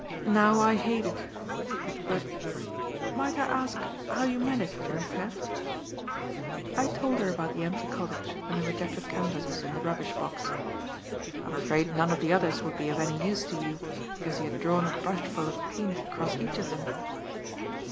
Now, I hate it, but, might I ask how you managed your theft?" I told her about the empty cottage and the rejected canvases in the rubbish box. "I'm afraid none of the others would be of any use to you because he had drawn a brushful of paint across each of them."